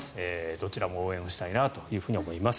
どちらも応援したいなと思います。